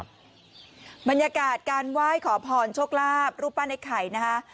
บรรยากาศการไหว้ขอพรโชคลาภรูปปั้นไอ้ไข่นะคะ